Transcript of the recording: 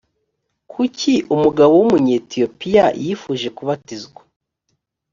kuki umugabo w’umunyetiyopiya yifuje kubatizwa?